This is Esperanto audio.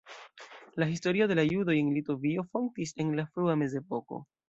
La historio de la judoj en Litovio fontis en la frua mezepoko.